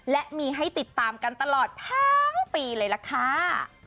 และมีให้ติดตามกันตลอดทั้งปีเลยล่ะค่ะ